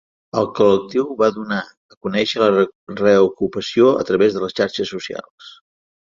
El col·lectiu va donar a conèixer la reocupació a través de les xarxes socials.